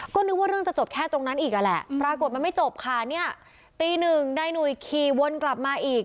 ก็นึกว่าเรื่องจะจบแค่ตรงนั้นอีกอ่ะแหละปรากฏมันไม่จบค่ะเนี่ยตีหนึ่งนายหนุ่ยขี่วนกลับมาอีก